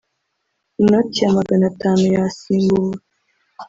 Inoti ya magana atanu yasimbuwe